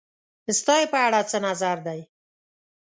ستا یی په اړه نظر څه دی؟